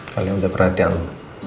kalo ada perhatian lu